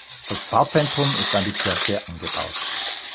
Das Pfarrzentrum ist an die Kirche angebaut.